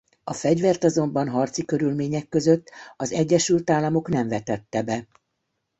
A fegyvert azonban harci körülmények között az Egyesült Államok nem vetette be.